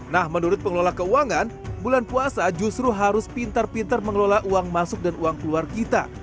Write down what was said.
nah menurut pengelola keuangan bulan puasa justru harus pintar pintar mengelola uang masuk dan uang keluar kita